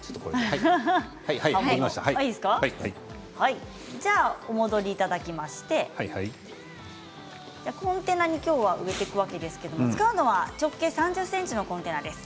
ではお戻りいただきましてコンテナに今日は植えていくわけですけど使うのは直径３０ｃｍのコンテナです。